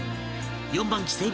４番機整備